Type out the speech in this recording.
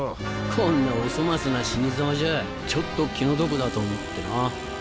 こんなお粗末な死にざまじゃあちょっと気の毒だと思ってな。